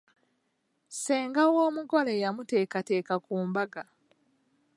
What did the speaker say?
Ssenga w'omugole y'amuteekateeka ku mbaga.